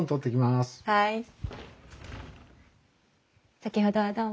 先ほどはどうも。